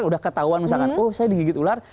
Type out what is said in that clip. udah ketahuan misalkan oh saya digigit ular